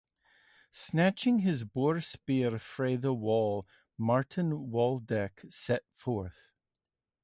Snatching his boar spear from the wall, Martin Waldeck set forth.